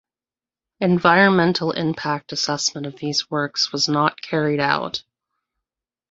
Environmental impact assessment of these works was not carried out.